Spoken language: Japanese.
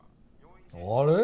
あれ？